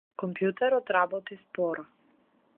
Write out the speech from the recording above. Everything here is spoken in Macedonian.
Компјутерот работи споро.